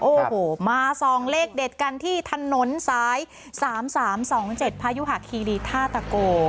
โอ้โหมาส่องเลขเด็ดกันที่ถนนสาย๓๓๒๗พายุหะคีรีท่าตะโก